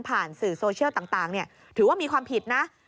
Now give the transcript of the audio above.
สื่อโซเชียลต่างถือว่ามีความผิดนะ